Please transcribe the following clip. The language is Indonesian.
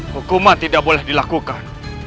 hukuman tidak boleh dilakukan